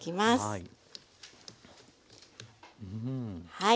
はい。